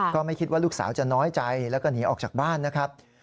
ก็ไม่คิดว่าลูกสาวจะน้อยใจแล้วก็หนีออกจากบ้านนะครับ